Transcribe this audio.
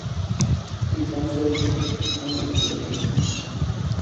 地方稅務局豐原分局